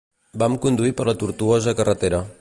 Vam conduir per la tortuosa carretera.